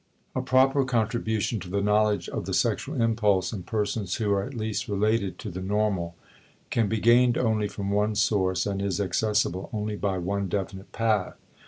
* A proper contribution to the knowledge of the sexual impulse in persons who are at least related to the normal can be gained only from one source, and is accessible only by one definite path.